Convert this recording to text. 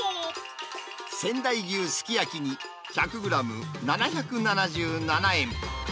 仙台牛すき焼き煮１００グラム７７７円。